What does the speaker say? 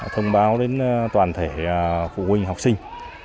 thông báo đến toàn thể phụ huynh học sinh